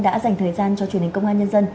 đã dành thời gian cho truyền hình công an nhân dân